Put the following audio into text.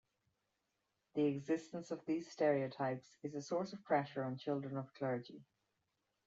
The existence of these stereotypes is a source of pressure on children of clergy.